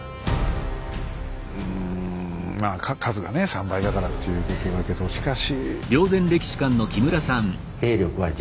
うんまあ数がね３倍だからっていうことだけどしかし。